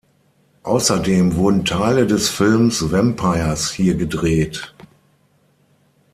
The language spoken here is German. Außerdem wurden Teile des Films Vampires hier gedreht.